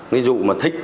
ví dụ mà thích